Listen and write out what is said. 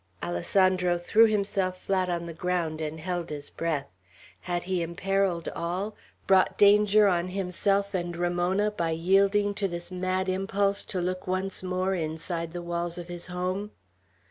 Alessandro threw himself flat on the ground, and held his breath. Had he imperilled all, brought danger on himself and Ramona, by yielding to this mad impulse to look once more inside the walls of his home?